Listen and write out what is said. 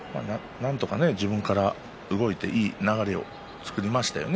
なんとか自分から動いていい流れを作りましたよね